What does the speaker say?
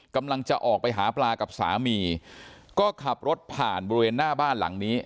กำลังจะออกไปหาปลากับสามีก็ขับรถผ่านบริเวณหน้าบ้านหลังนี้